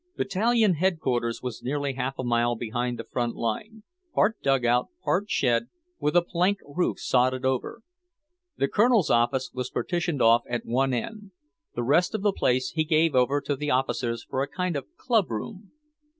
..... Battalion Headquarters was nearly half a mile behind the front line, part dugout, part shed, with a plank roof sodded over. The Colonel's office was partitioned off at one end; the rest of the place he gave over to the officers for a kind of club room.